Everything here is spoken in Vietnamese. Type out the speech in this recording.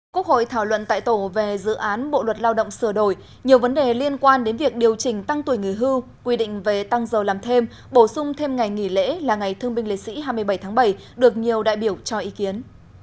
quốc hội thảo luận tại tổ về dự án bộ luật lao động sửa đổi nhiều vấn đề liên quan đến việc điều chỉnh tăng tuổi nghỉ hưu quy định về tăng giờ làm thêm bổ sung thêm ngày nghỉ lễ là ngày thương binh lễ sĩ hai mươi bảy tháng bảy được nhiều đại biểu cho ý kiến